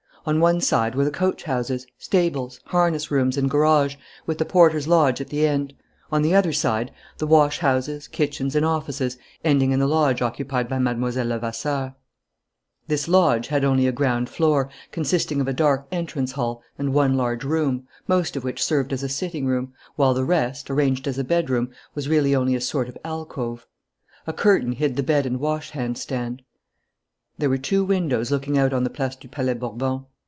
On one side were the coach houses, stables, harness rooms, and garage, with the porter's lodge at the end; on the other side, the wash houses, kitchens, and offices, ending in the lodge occupied by Mlle. Levasseur. This lodge had only a ground floor, consisting of a dark entrance hall and one large room, most of which served as a sitting room, while the rest, arranged as a bedroom, was really only a sort of alcove. A curtain hid the bed and wash hand stand. There were two windows looking out on the Place du Palais Bourbon.